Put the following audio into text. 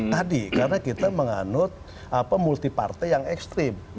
tadi karena kita menganut multi partai yang ekstrim